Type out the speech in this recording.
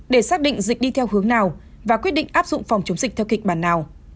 để xác định dịch đi theo hướng nào và quyết định áp dụng phòng chống dịch theo kịch bản nào